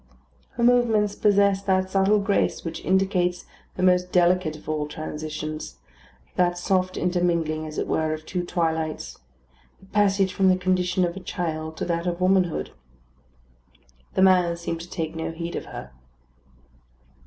Her movements possessed that subtle grace which indicates the most delicate of all transitions that soft intermingling, as it were, of two twilights the passage from the condition of a child to that of womanhood. The man seemed to take no heed of her.